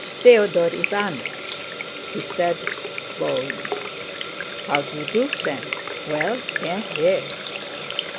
"Theodore Iványch!" he said, bowing. "How d'you do, friend? Well, here he is!"